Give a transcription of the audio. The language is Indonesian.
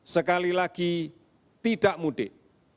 sekali lagi tidak mudik